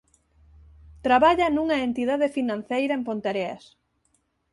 Traballa nunha entidade financeira en Ponteareas.